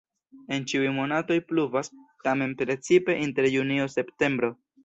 En ĉiuj monatoj pluvas, tamen precipe inter junio-septembro.